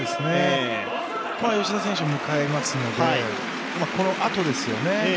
吉田選手を迎えますので、このあとですよね。